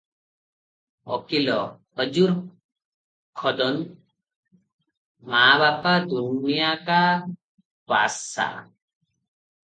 ଓକିଲ - "ହଜୁର ଖୋଦନ୍ଦ୍ - ମା ବାପ ଦୁନିଆକା ବାସସା ।